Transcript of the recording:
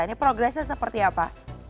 ini progresnya seperti apa